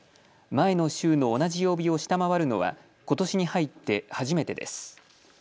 前の週の同じ曜日を下回るのはことしに入って初めてです。